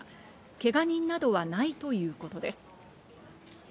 けが人などは、ないということです。